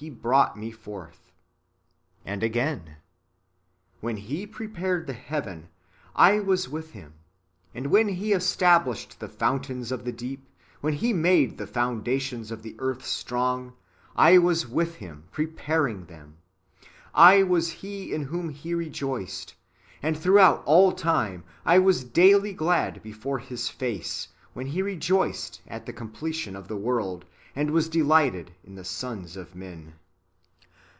He brought me forth." ^ And again :" When He prepared the heaven, I was with Him, and when He established the fountains of the deep ; when He made the foundations of the earth strong, I was with Him preparing [them]. I w^as He in whom He rejoiced, and throughout all time I was daily glad before His face, when He rejoiced at the completion of the world, and was delighted in the sons of men."